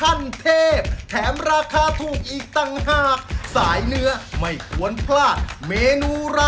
๑๐๑อันเจอรีสหรือเปล่าลูก